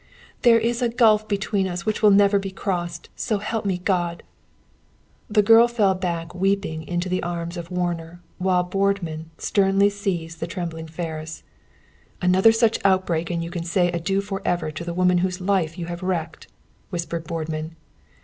"There is a gulf between us which will never be crossed, so help me, God!" The girl fell back, weeping, in the arms of Warner, while Boardman sternly seized the trembling Ferris. "Another such outbreak and you can say adieu forever to the woman whose life you have wrecked," whispered Boardman.